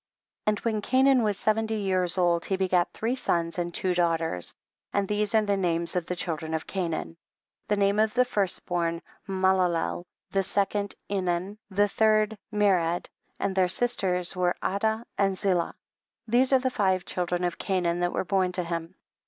15. And when Cainan was sev enty years old, he begat three sons and tw^o daughters. 16. And these are the names of the children of Cainan ; the name of the first born Mahlallel, the second Enan, and the third Mered, and their sisters were Adah and Zillah ; these are the five children of Cainan that were born to lu?n.